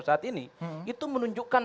saat ini itu menunjukkan